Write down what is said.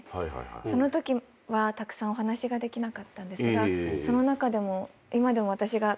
そのときはたくさんお話ができなかったんですがその中でも。